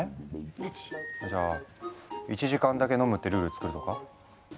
じゃ１時間だけ飲むってルール作るとか？